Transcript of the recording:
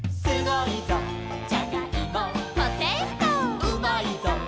「すごいぞ！